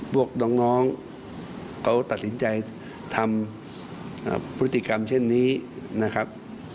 พวกน้องเขาตัดสินใจทำพฤติกรรมเช่นนี้นะครับ